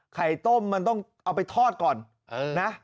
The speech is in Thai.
ไข่ต้มมันต้องเอาไปทอดก่อนนะ